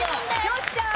よっしゃー！